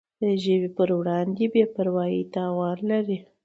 د ژبي پر وړاندي بي پروایي تاوان لري.